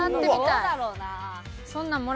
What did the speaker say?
どうだろうな？